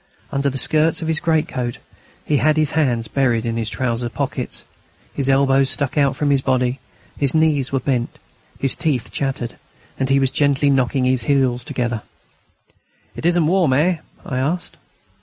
Under the skirts of his great coat he had his hands buried in his trouser pockets. His elbows stuck out from his body, his knees were bent, his teeth chattered, and he was gently knocking his heels together. "It isn't warm, eh?" I asked.